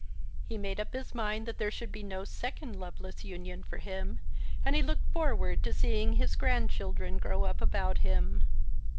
He made up his mind that there should be no second loveless union for him, and he looked forward to seeing his grandchildren grow up about him.